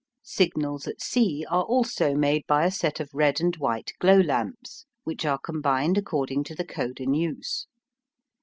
Signals at sea are also made by a set of red and white glow lamps, which are combined according to the code in use.